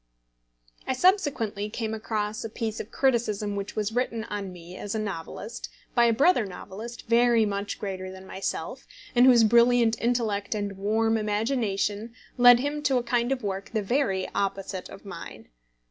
I subsequently came across a piece of criticism which was written on me as a novelist by a brother novelist very much greater than myself, and whose brilliant intellect and warm imagination led him to a kind of work the very opposite of mine.